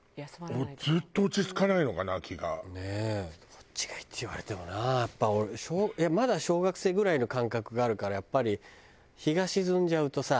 どっちがいい？って言われてもなやっぱまだ小学生ぐらいの感覚があるからやっぱり。